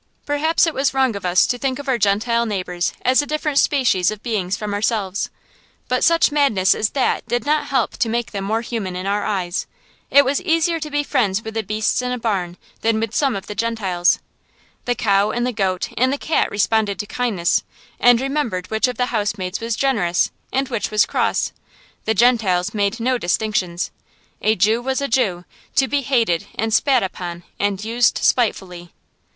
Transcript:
Perhaps it was wrong of us to think of our Gentile neighbors as a different species of beings from ourselves, but such madness as that did not help to make them more human in our eyes. It was easier to be friends with the beasts in the barn than with some of the Gentiles. The cow and the goat and the cat responded to kindness, and remembered which of the housemaids was generous and which was cross. The Gentiles made no distinctions. A Jew was a Jew, to be hated and spat upon and used spitefully.